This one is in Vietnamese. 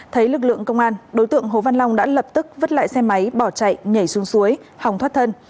thấy lực lượng công an đối tượng hồ văn long đã lập tức vứt lại xe máy bỏ chạy nhảy xuống suối hòng thoát thân